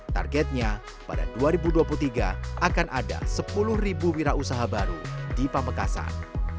targetnya pada dua ribu dua puluh tiga akan ada sepuluh wira usaha baru di pamekasan